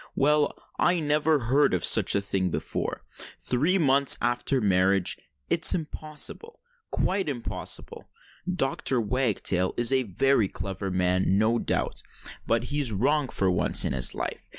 Well—I never heard of such a thing before—three months after marriage—it's impossible—quite impossible! Dr. Wagtail is a very clever man, no doubt—but he's wrong for once in his life.